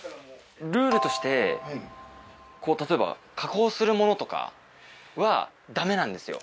ルールとしてこう例えば加工するものとかはダメなんですよ。